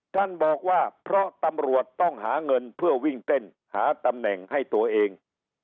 ท่านบอกว่าเพราะตำรวจต้องหาเงินเพื่อวิ่งเต้นหาตำแหน่งให้ตัวเอง